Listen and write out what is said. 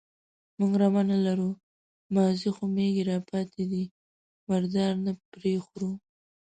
_موږ رمه نه لرو، مازې څو مېږې راپاتې دي، مردار نه پرې خورو.